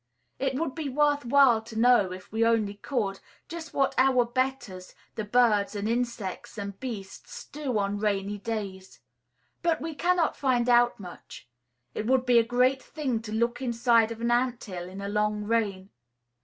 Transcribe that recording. It would be worth while to know, if we only could, just what our betters the birds and insects and beasts do on rainy days. But we cannot find out much. It would be a great thing to look inside of an ant hill in a long rain.